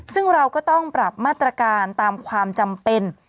ซึ่งเราก็ต้องปรับมาตรการตามความจำเป็น